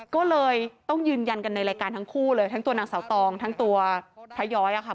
ก็เลยต้องยืนยันกันในรายการทั้งคู่เลยทั้งตัวนางสาวตองทั้งตัวพระย้อยอะค่ะ